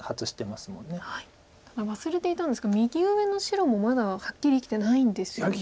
ただ忘れていたんですが右上の白もまだはっきり生きてないんですよね。